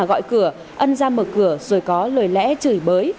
gọi cửa ân ra mở cửa rồi có lời lẽ chửi bới